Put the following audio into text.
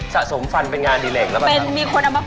สะสมฟันเป็นงานดีแหล่งแล้วบ้างครับ